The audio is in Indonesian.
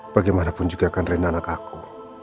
bagaimanapun juga kan rena anak aku